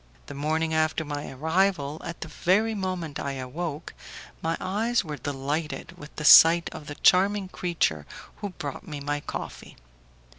The morning after my arrival, at the very moment I awoke, my eyes were delighted with the sight of the charming creature who brought me my coffee.